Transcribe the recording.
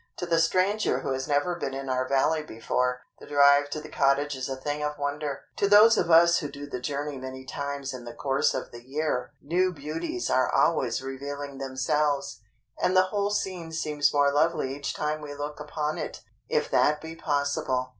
To the stranger who has never been in our Valley before, the drive to the Cottage is a thing of wonder; to those of us who do the journey many times in the course of the year new beauties are always revealing themselves, and the whole scene seems more lovely each time we look upon it, if that be possible.